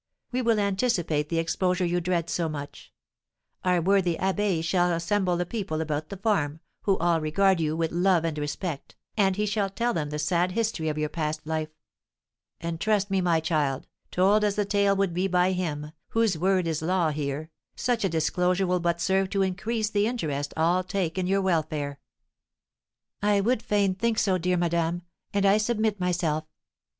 We will anticipate the exposure you dread so much; our worthy abbé shall assemble the people about the farm, who all regard you with love and respect, and he shall tell them the sad history of your past life; and, trust me, my child, told as the tale would be by him, whose word is law here, such a disclosure will but serve to increase the interest all take in your welfare." "I would fain think so, dear madame, and I submit myself.